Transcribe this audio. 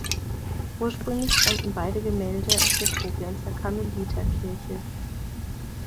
Ursprünglich stammten beide Gemälde aus der Koblenzer Karmeliterkirche.